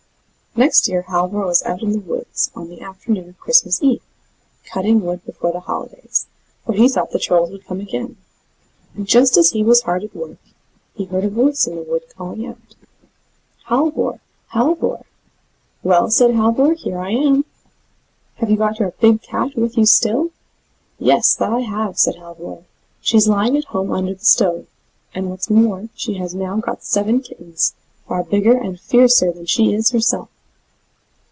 Next year Halvor was out in the wood, on the afternoon of Christmas Eve, cutting wood before the holidays, for he thought the Trolls would come again; and just as he was hard at work, he heard a voice in the wood calling out: "Halvor! Halvor!" "Well," said Halvor, "here I am." "Have you got your big cat with you still?" "Yes, that I have," said Halvor; "she's lying at home under the stove, and what's more, she has now got seven kittens, far bigger and fiercer than she is herself."